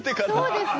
そうです。